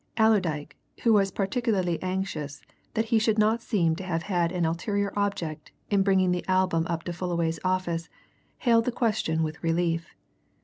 Allerdyke, who was particularly anxious that he should not seem to have had an ulterior object in bringing the album up to Fullaway's office hailed this question with relief.